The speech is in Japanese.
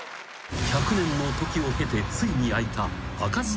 ［１００年の時を経てついに開いた開かずの金庫］